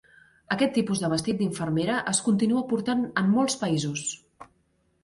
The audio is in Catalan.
Aquest tipus de vestit d'infermera es continua portant en molts països.